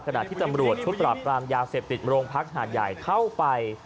ขณะที่ตำรวจชุดปราบรามยาเสพติดโรงพักหาดใหญ่เข้าไป